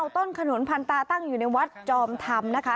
ต้นขนุนพันตาตั้งอยู่ในวัดจอมธรรมนะคะ